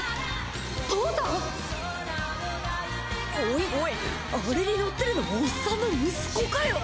おいおいあれに乗ってるのオッサンの息子かよ！